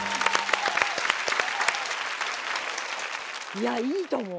いやいいと思う。